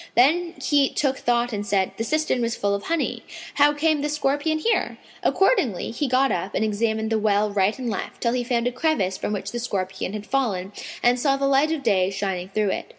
Then he took thought and said, "The cistern was full of honey; how came this scorpion here?" Accordingly he got up and examined the well right and left, till he found a crevice from which the scorpion had fallen and saw the light of day shining through it.